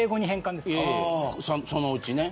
そのうちね。